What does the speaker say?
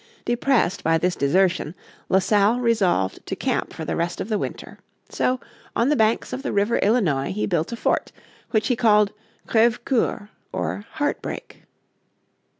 Depressed by this desertion La Salle resolved to camp for the rest of the winter. So on the banks of the river Illinois he built a fort which he called Creve Coeur, or Heart break.